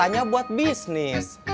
katanya buat bisnis